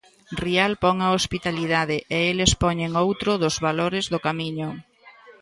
Rial pon a hospitalidade, e eles poñen outro dos valores do Camiño.